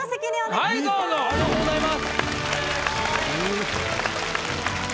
おめでとうございます。